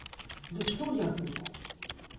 Ды што я гэта!